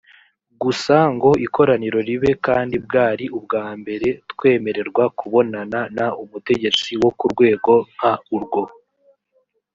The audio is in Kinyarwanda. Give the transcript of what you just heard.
gusa ngo ikoraniro ribe kandi bwari ubwa mbere twemererwa kubonana n umutegetsi wo ku rwego nk urwo